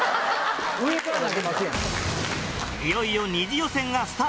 いよいよ。